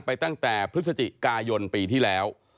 ตั้งแต่พฤศจิกายนปีที่แล้ว